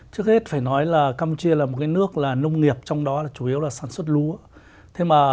trước hết phải nói campuchia là một nước nông nghiệp trong đó chủ yếu là sản xuất lúa